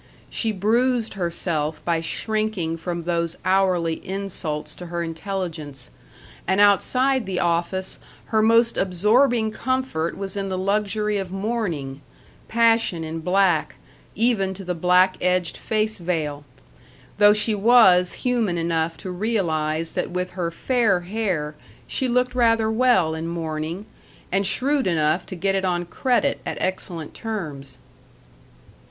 She bruised herself by shrinking from those hourly insults to her intelligence; and outside the office her most absorbing comfort was in the luxury of mourning passion in black, even to the black edged face veil.... Though she was human enough to realize that with her fair hair she looked rather well in mourning, and shrewd enough to get it on credit at excellent terms.